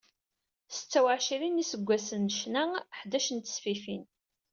Setta u εecrin n yiseggasen n ccna, ḥdac n tesfifin.